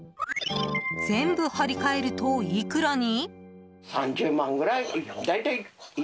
全部、張り替えるといくらに？